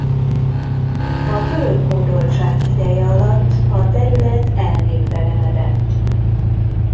A török hódoltság ideje alatt a terület elnéptelenedett.